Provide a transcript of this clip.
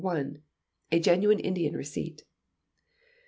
(a genuine Indian receipt).